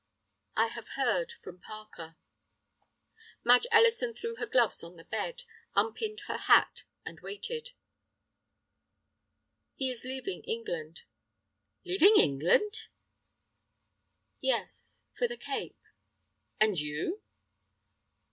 "I have heard from Parker." Madge Ellison threw her gloves on the bed, unpinned her hat, and waited. "He is leaving England." "Leaving England?" "Yes, for the Cape." "And you?"